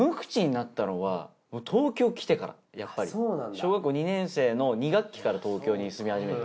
小学校２年生の２学期から東京に住みはじめて。